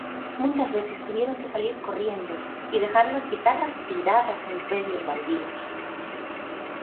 Muchas veces tuvieron que salir corriendo y dejar las guitarras tiradas en predios baldíos.